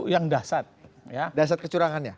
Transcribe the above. yang dasar dasar kecurangannya